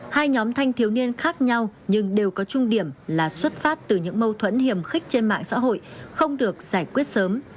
hai nhóm thanh thiếu niên khác nhau nhưng đều có trung điểm là xuất phát từ những mâu thuẫn hiểm khích trên mạng xã hội không được giải quyết sớm